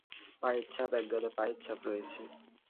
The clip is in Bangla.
পায়ের ছাপ, একগাদা পায়ের ছাপ রয়েছে।